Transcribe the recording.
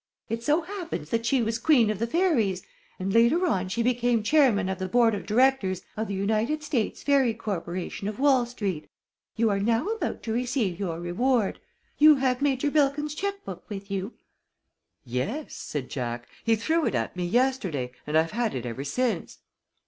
It so happens that she was Queen of the Fairies, and later on she became Chairman of the Board of Directors of the United States Fairy Corporation of Wall Street. You are now about to receive your reward. You have Major Bilkins's check book with you?" "Yes," said Jack. "He threw it at me yesterday, and I've had it ever since."